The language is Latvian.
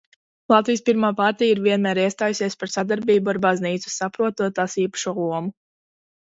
Latvijas Pirmā partija ir vienmēr iestājusies par sadarbību ar baznīcu, saprotot tās īpašo lomu.